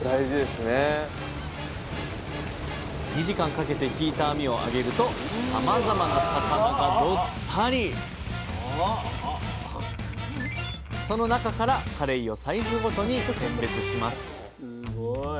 ２時間かけて引いた網をあげるとさまざまな魚がどっさりその中からカレイをサイズごとに選別します。